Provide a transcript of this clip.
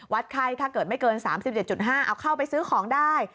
ไข้ถ้าเกิดไม่เกิน๓๗๕เอาเข้าไปซื้อของได้